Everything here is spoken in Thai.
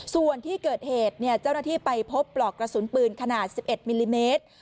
ส่วนที่เกิดเหตุเจ้าหน้าที่ไปพบปลอกกระสุนปืนขนาด๑๑มิลลิเมตร